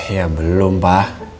ya belum pa